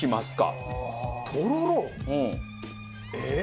えっ？